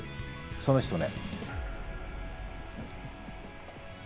その人ね。